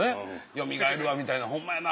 よみがえるわみたいなホンマやな